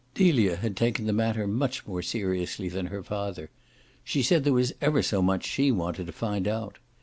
Delia had taken the matter much more seriously than her father; she said there was ever so much she wanted to find out.